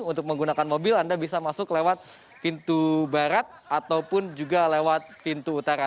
untuk menggunakan mobil anda bisa masuk lewat pintu barat ataupun juga lewat pintu utara